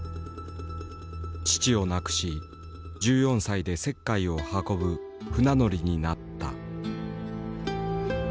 父を亡くし１４歳で石灰を運ぶ船乗りになった。